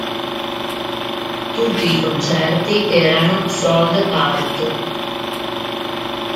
Tutti i concerti erano sold out.